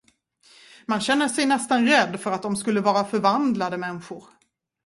Man känner sig nästan rädd för att de skulle vara förvandlade människor.